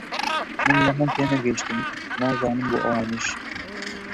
من لەمە تێنەگەیشتم، نازانم بۆ ئەوانیش